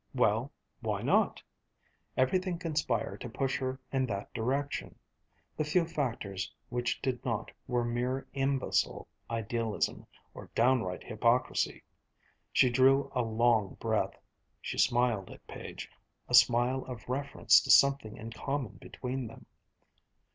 Well, why not? Everything conspired to push her in that direction. The few factors which did not were mere imbecile idealism, or downright hypocrisy. She drew a long breath. She smiled at Page, a smile of reference to something in common between them.